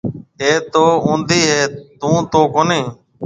اَي تو اونڌِي هيَ ٿُون تو ڪونِي۔